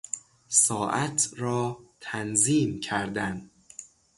ساعت را تنظیم کردن